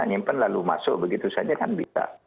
nyimpen lalu masuk begitu saja kan bisa